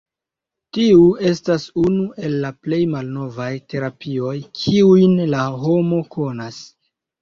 Tiu estas unu el la plej malnovaj terapioj, kiujn la homo konas.